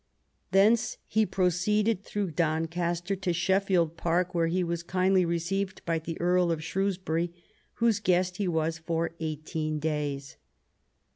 Thence he proceeded through Doncaster to Sheffield Park, where he was kindly received by the Earl of Shrewsbury, whose guest he was for eighteen days.